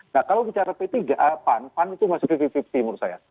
nah kalau bicara p tiga pan pan itu masih lima puluh lima puluh menurut saya